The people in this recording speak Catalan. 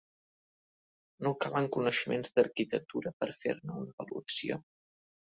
No calen coneixements d'arquitectura per fer-ne una valoració.